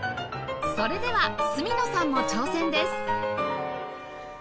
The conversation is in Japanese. それでは角野さんも挑戦です